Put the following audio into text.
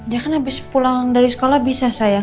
dia kan habis pulang dari sekolah bisa sayang